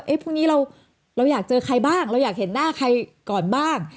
พรุ่งนี้เราอยากเจอใครบ้างเราอยากเห็นหน้าใครก่อนบ้าง